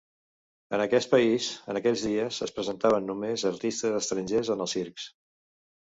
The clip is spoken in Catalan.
En aquest país en aquells dies es presentaven només artistes estrangers en els circs.